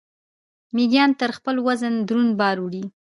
میږیان تر خپل وزن دروند بار وړي